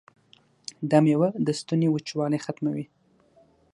دا میوه د ستوني وچوالی ختموي.